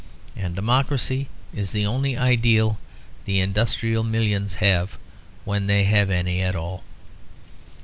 And democracy is the only ideal the industrial millions have, when they have any at all.